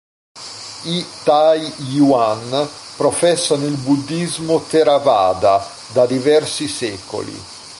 I tai yuan professano il Buddhismo Theravada da diversi secoli.